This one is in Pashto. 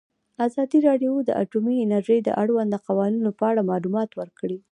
ازادي راډیو د اټومي انرژي د اړونده قوانینو په اړه معلومات ورکړي.